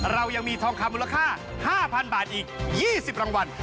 เรายังมีทองคำมูลค่า๕๐๐๐บาทอีก๒๐รางวัล